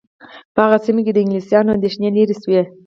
په هغه سیمه کې د انګلیسیانو اندېښنې لیرې شوې.